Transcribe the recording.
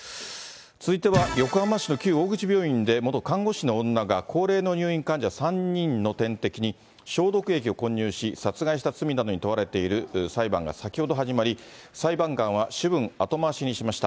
続いては、横浜市の旧大口病院の元看護師の女が高齢の入院患者３人の点滴に消毒液を混入し、殺害した罪などに問われている裁判が先ほど始まり、裁判官は主文後回しにしました。